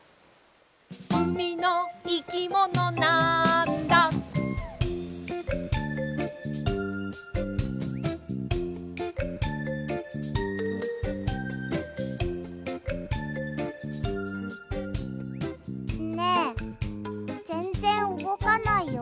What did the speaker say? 「海のいきものなんだ」ねえぜんぜんうごかないよ。